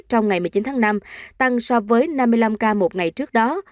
trong năm tăng so với năm mươi năm ca một ngày trước đó